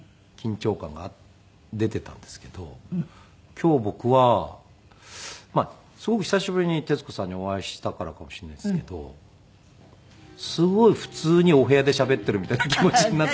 今日僕はまあすごく久しぶりに徹子さんにお会いしたからかもしれないですけどすごい普通にお部屋でしゃべっているみたいな気持ちになって。